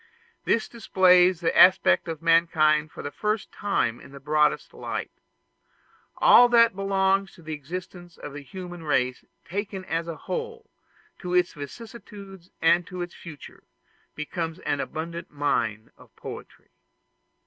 This displays the aspect of mankind for the first time in the broadest light. All that belongs to the existence of the human race taken as a whole, to its vicissitudes and to its future, becomes an abundant mine of poetry.